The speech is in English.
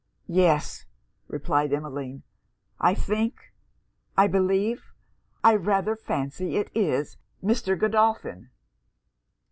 'Yes,' replied Emmeline. 'I think I believe I rather fancy it is Mr. Godolphin.'